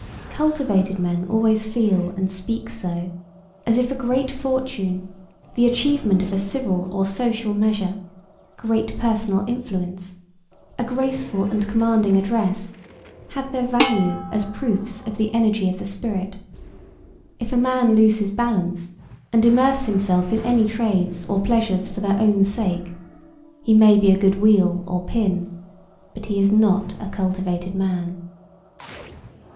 Cultivated men always feel and speak so, as if a great fortune, the achievement of a civil or social measure, great personal influence, a graceful and commanding address, had their value as proofs of the energy of the spirit. If a man lose his balance and immerse himself in any trades or pleasures for their own sake, he may be a good wheel or pin, but he is not a cultivated man.